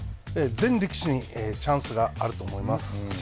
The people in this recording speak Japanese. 全力士にチャンスがあると思います。